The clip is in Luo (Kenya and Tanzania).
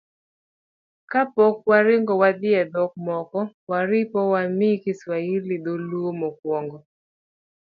Ka pok waringo wadhi e dhok moko, oripo wamii Kiswahili thuolo mokwongo.